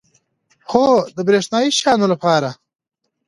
هو، د بریښنایی شیانو لپاره